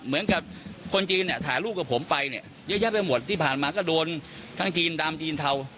เหมือนกับคนจีนเนี่ยถ่ายรูปกับผมไปเนี่ยเยอะแยะไปหมดที่ผ่านมาก็โดนทั้งจีนดำจีนเทา